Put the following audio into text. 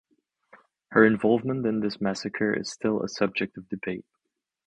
Her involvement in this massacre is still a subject of debate.